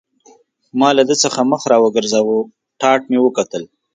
ما له ده څخه مخ را وګرځاوه، ټاټ مې وکتل.